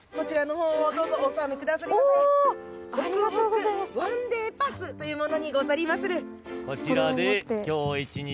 ほくほくワンデーパスというものにござりまする。